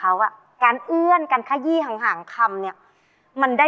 เพราะว่ายังเหลืออีก๒ท่านไม่รู้ว่าจะได้น้อยหรือได้เยอะค่ะ